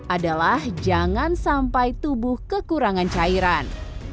adalah jangan sampai tubuh kekurangan cairan